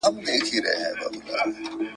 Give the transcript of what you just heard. بيا به دا آسمان شاهد وي ..